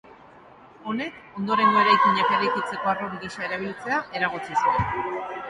Honek, ondorengo eraikinak eraikitzeko harrobi gisa erabiltzea eragotzi zuen.